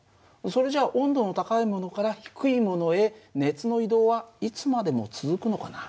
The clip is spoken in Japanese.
それじゃ温度の高いものから低いものへ熱の移動はいつまでも続くのかな？